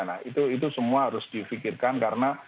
nah itu semua harus difikirkan karena